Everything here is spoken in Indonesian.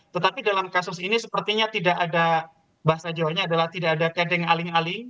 tetapi dalam kasus ini sepertinya tidak ada bahasa jawanya adalah tidak ada keding aling aling